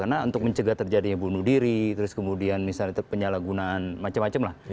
karena untuk mencegah terjadinya bunuh diri terus kemudian misalnya penyalahgunaan macam macam lah